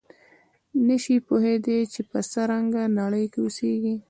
نه شي پوهېدای چې په څه رنګه نړۍ کې اوسېږي.